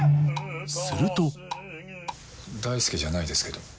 すると大祐じゃないですけど。